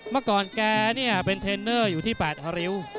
เมื่อก่อนแกเป็นเทรนเนอร์อยู่ที่๘ฮาริ้ว